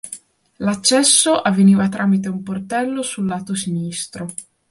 L'accesso avveniva tramite un portello sul lato sinistro.